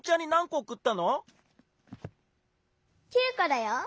９こだよ。